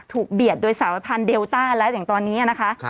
เบียดโดยสายพันธุเดลต้าแล้วอย่างตอนนี้นะคะ